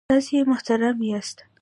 تاسې محترم یاست.